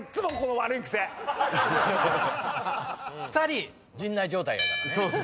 ２人陣内状態やからね。